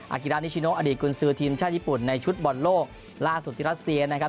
กิรานิชิโนอดีตกุญซือทีมชาติญี่ปุ่นในชุดบอลโลกล่าสุดที่รัสเซียนะครับ